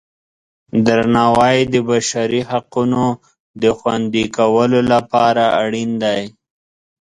درناوی د بشري حقونو د خوندي کولو لپاره اړین دی.